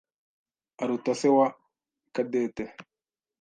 aruta se wa Cadette.